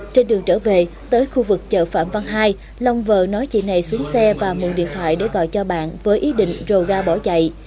trên đường trở về tới khu vực chợ phạm văn hai long vợ nói chị này xuống xe và mượn điện thoại để gọi cho bạn với ý định rồ ga bỏ chạy